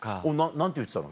何て言ってたの？